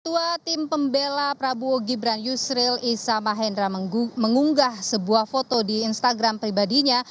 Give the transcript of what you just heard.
ketua tim pembela prabowo gibran yusril isamahendra mengunggah sebuah foto di instagram pribadinya